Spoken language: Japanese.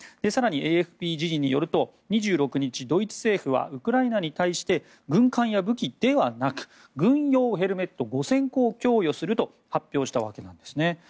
更にＡＦＰ時事によると２６日ドイツ政府はウクライナに対して軍艦や武器ではなくて軍用ヘルメット５０００個を供与すると発表したわけなんですね。